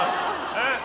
えっ